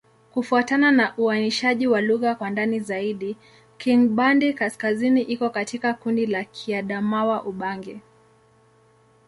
Kufuatana na uainishaji wa lugha kwa ndani zaidi, Kingbandi-Kaskazini iko katika kundi la Kiadamawa-Ubangi.